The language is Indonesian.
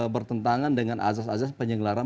bertentangan dengan azas azas penyelenggaraan